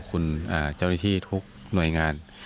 ขอขอบคุณเจ้านิทีทุกหน่วยงาน